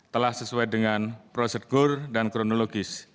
telah sesuai dengan prosedur dan kronologis